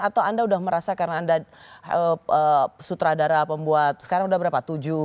atau anda sudah merasa karena anda sutradara pembuat sekarang sudah berapa